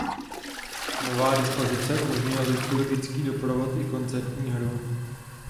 Nová dispozice umožňuje liturgický doprovod i koncertní hru.